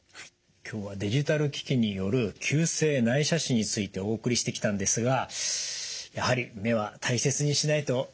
今日はデジタル機器による急性内斜視についてお送りしてきたんですがやはり目は大切にしないといけませんね。